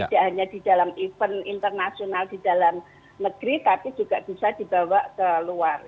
tidak hanya di dalam event internasional di dalam negeri tapi juga bisa dibawa ke luar